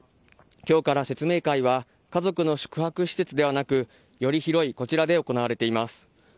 今日から説明会は家族の宿泊施設ではなくより広いこちらで行われています。